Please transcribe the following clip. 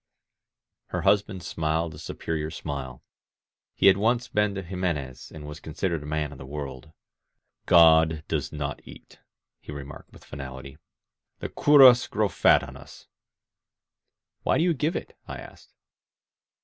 •••" Her husband smiled a superior smile. He had once been to Jimenez and was considered a man of the world* "God does not eat," he remarked with finality. "The curas grow fat on us." "Why do you give it?" I asked.